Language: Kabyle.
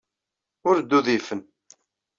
Ur d-udifen.